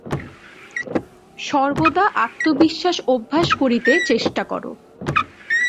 সর্বদা আত্মবিশ্বাস অভ্যাস করিতে চেষ্টা কর।